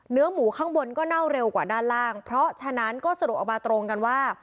เนื้อหมูข้างบนก็เน่าเร็วกว่าด้านล่างเพราะฉะนั้นก็สรุปออกมาตรงกันว่า